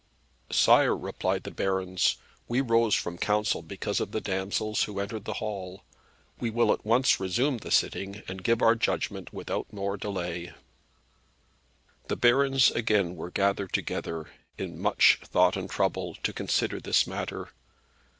"Sire," replied the barons, "we rose from Council, because of the damsels who entered in the hall. We will at once resume the sitting, and give our judgment without more delay." The barons again were gathered together, in much thought and trouble, to consider this matter.